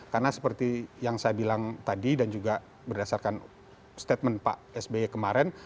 karena seperti yang saya bilang tadi dan juga berdasarkan statement pak sby kemarin